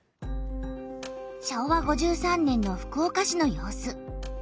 昭和５３年の福岡市の様子。